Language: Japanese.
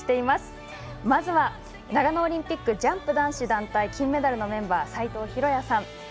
まずは、長野オリンピックジャンプ男子団体金メダルのメンバー齋藤浩哉さん。